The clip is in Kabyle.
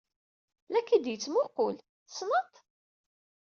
La k-id-yettmuqqul. Tessned-t?